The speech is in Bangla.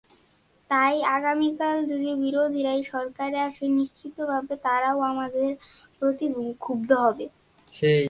তাই আগামীকাল যদি বিরোধীরাই সরকারে আসে, নিশ্চিতভাবে তারাও আমাদের প্রতি ক্ষুব্ধ হবে।